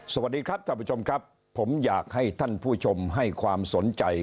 สวัสดีครับท่านผู้ชมครับผมอยากให้ท่านผู้ชมให้ความสนใจ